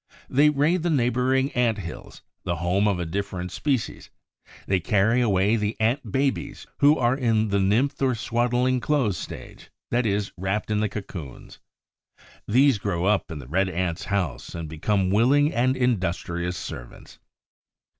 They raid the neighboring ant hills, the home of a different species; they carry away the Ant babies, who are in the nymph or swaddling clothes stage, that is, wrapped in the cocoons. These grow up in the Red Ants' house and become willing and industrious servants.